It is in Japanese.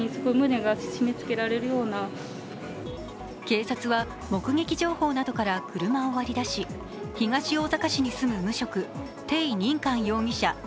警察は目撃情報などから車を割り出し東大阪市に住む無職、テイ・ニンカン容疑者